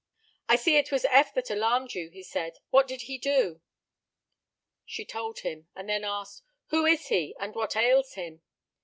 "I see it was Eph that alarmed you," he said. "What did he do?" She told him, and then asked: "Who is he, and what ails him?"